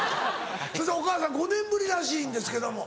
それでお母さん５年ぶりらしいんですけども。